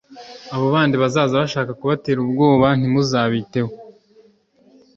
abo bandi bazaza bashaka kubatera ubwoba ntimuzabiteho